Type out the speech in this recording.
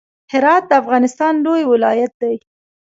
هرات د افغانستان لوی ولایت دی.